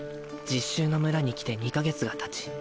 実習の村に来て２カ月がたち